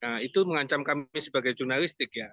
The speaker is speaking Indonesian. nah itu mengancam kami sebagai jurnalistik ya